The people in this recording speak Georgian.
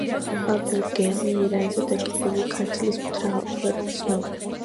მან გურგენი ირანზე დაკიდებულ ქართლის მთავრად ცნო.